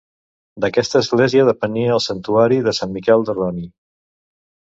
D'aquesta església depenia el santuari de Sant Miquel de Roní.